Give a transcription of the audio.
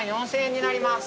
４，０００円になります。